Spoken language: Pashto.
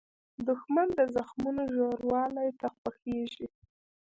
دښمن د زخمونو ژوروالۍ ته خوښیږي